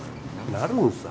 なるんさ。